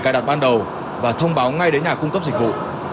cài đặt ban đầu và thông báo ngay đến nhà cung cấp dịch vụ